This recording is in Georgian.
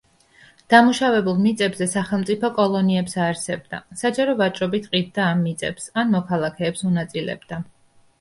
დამუშავებულ მიწებზე სახელმწიფო კოლონიებს აარსებდა, საჯარო ვაჭრობით ყიდდა ამ მიწებს, ან მოქალაქეებს უნაწილებდა.